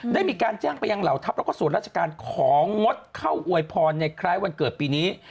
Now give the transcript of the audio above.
ได้มีการแจ้งไปยังเหล่าทัพแล้วก็ส่วนราชการของงดเข้าอวยพรในคล้ายวันเกิดปีนี้